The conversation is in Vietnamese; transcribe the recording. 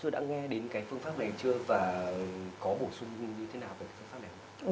các bạn có nghe đến cái phương pháp này chưa và có bổ sung như thế nào về cái phương pháp này không ạ